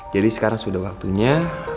jadi sekarang sudah waktunya